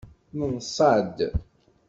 Neḍṣa-d.